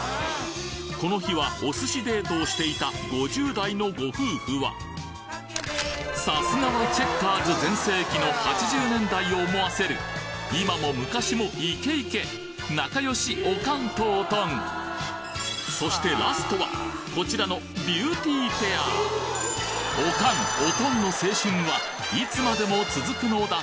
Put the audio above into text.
この日はお寿司デートをしていた５０代のご夫婦はさすがはチェッカーズ全盛期の８０年代を思わせる今も昔もイケイケ仲良しオカンとオトンそしてラストはこちらのビューティーペアさあ田村さん